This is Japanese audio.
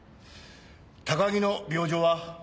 高木の病状は？